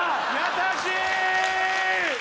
優しい！